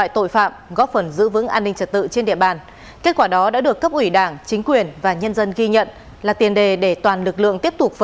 tội phạm hình sự so với năm trước